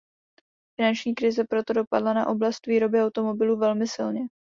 Finanční krize proto dopadla na oblast výroby automobilů velmi silně.